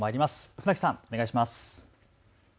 船木さん、お願いします。